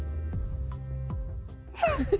フフフ。